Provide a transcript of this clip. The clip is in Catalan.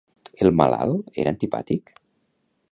El malalt, era antipàtic?